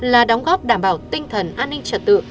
là đóng góp đảm bảo tinh thần an ninh trật tự